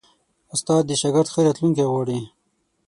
استاد د شاګرد ښه راتلونکی غواړي.